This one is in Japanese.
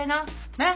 ねっ！